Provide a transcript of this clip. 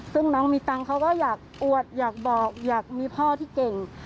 ซึ่งน้องมีตังค์เขาก็อยากอวดอยากบอกอยากมีพ่อที่เก่ง